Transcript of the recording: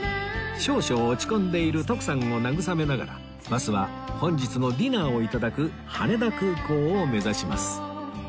少々落ち込んでいる徳さんを慰めながらバスは本日のディナーを頂く羽田空港を目指します